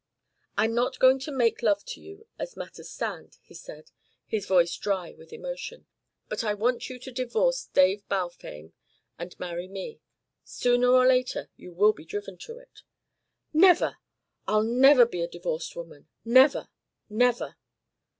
"I'm not going to make love to you as matters stand," he said, his voice dry with emotion. "But I want you to divorce Dave Balfame and marry me. Sooner or later you will be driven to it " "Never! I'll never be a divorced woman. Never! Never!"